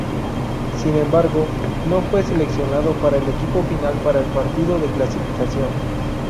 Sin embargo, no fue seleccionado para el equipo final para el partido de clasificación.